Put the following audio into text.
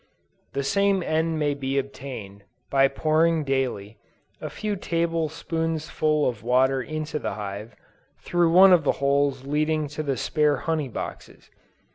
The same end may be obtained, by pouring daily, a few table spoonsfull of water into the hive, through one of the holes leading to the spare honey boxes.